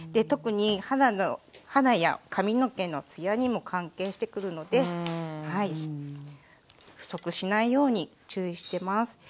特に肌や髪の毛のつやにも関係してくるので不足しないように注意してます。